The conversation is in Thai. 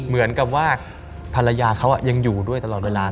เหมือนกับว่าภรรยาเขายังอยู่ด้วยตลอดเวลา